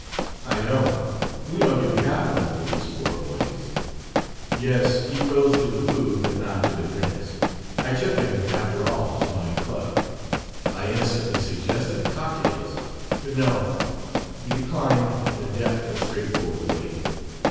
"I know. We don't do half enough for these poor boys." "Yes, he rose to the food. But not to the drinks. I took him, after all, to my club. I innocently suggested cocktails; but, no. He declined in a deft but straightforward way.